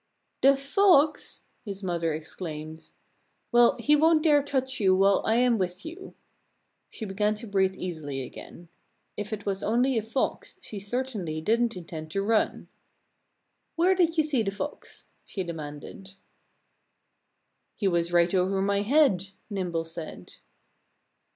"The Fox!" his mother exclaimed. "Well, he won't dare touch you while I am with you." She began to breathe easily again. If it was only a Fox she certainly didn't intend to run. "Where did you see the Fox?" she demanded. "He was right over my head," Nimble said.